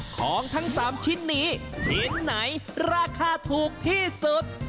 ของทั้ง๓ชิ้นนี้ชิ้นไหนราคาถูกที่สุด